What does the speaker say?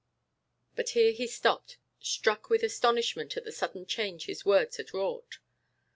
But here he stopped, struck with astonishment at the sudden change his words had wrought.